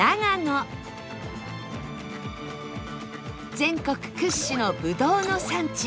全国屈指のブドウの産地